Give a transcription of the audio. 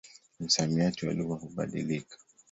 Msamiati wa lugha hubadilika.